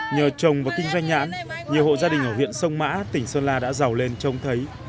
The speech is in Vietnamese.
nhờ trồng và kinh doanh nhãn nhiều hộ gia đình ở huyện sông mã tỉnh sơn la đã giàu lên trông thấy